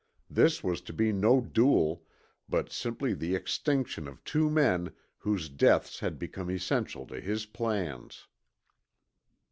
This was to be no duel, but simply the extinction of two men whose deaths had become essential to his plans.